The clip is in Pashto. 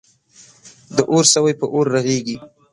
د اور سوی په اور رغیږی.